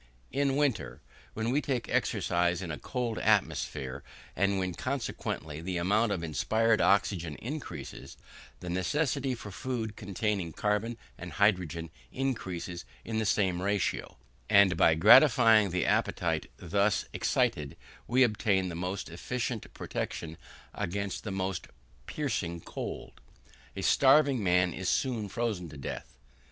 In winter, when we take exercise in a cold atmosphere, and when consequently the amount of inspired oxygen increases, the necessity for food containing carbon and hydrogen increases in the same ratio; and by gratifying the appetite thus excited, we obtain the most efficient protection against the most piercing cold. A starving man is soon frozen to death.